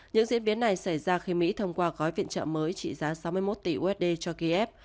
những diễn biến này xảy ra khi mỹ thông qua gói viện trợ mới trị giá sáu mươi một tỷ usd cho kiev